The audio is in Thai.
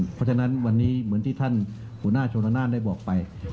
เพราะฉะนั้นวันนี้เหมือนที่ท่านหัวหน้าชนนานได้บอกไป